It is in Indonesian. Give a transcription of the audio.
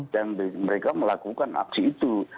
dan mereka melakukan aksi itu